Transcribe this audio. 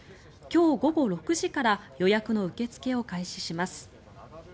今日午後６時から予約の受け付けを開始します。